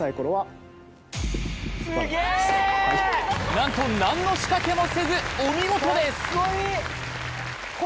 何と何の仕掛けもせずお見事です！